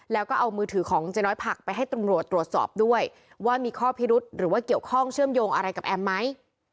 แล้วก็เอามือถือของเจ๊น้อยผักไปให้ตำรวจตรวจสอบด้วยว่ามีข้อพิรุษหรือว่าเกี่ยวข้องเชื่อมโยงอะไรกับแอมไหม